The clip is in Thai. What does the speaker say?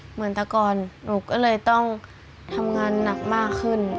เหมือนแต่ก่อนหนูก็เลยต้องทำงานหนักมากขึ้น